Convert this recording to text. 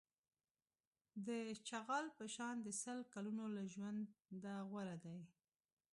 د چغال په شان د سل کلونو له ژونده غوره دی.